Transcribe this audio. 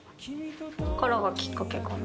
そこからがきっかけかな。